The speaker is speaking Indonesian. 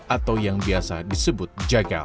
atau yang biasa disebut jagal